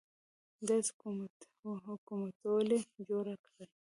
داسې حکومتولي جوړه کړي.